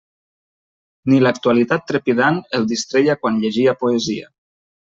Ni l'actualitat trepidant el distreia quan llegia poesia.